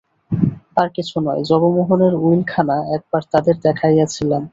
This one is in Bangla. আর কিছু নয়, জগমোহনের উইলখানা একবার তাদের দেখাইয়াছিলাম।